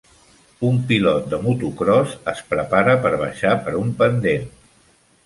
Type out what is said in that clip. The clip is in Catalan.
Un pilot de motocròs es prepara per baixar per un pendent.